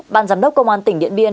ban giám đốc công an tỉnh điện biên